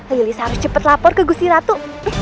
lili seharus cepat lapor ke gusiratu